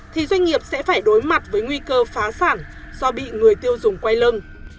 thì doanh nghiệp sẽ phải đối mặt với nguy cơ phá sản do bị người tiêu dùng quay lưng